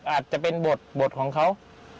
อาจจะเป็นบทบทของเขา